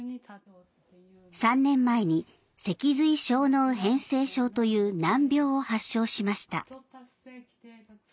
３年前に脊髄小脳変性症という難病を発症しました。